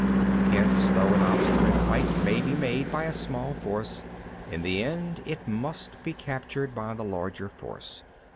10. Hence, though an obstinate fight may be made by a small force, in the end it must be captured by the larger force.